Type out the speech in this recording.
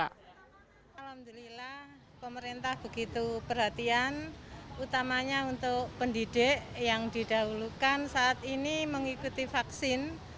alhamdulillah pemerintah begitu perhatian utamanya untuk pendidik yang didahulukan saat ini mengikuti vaksin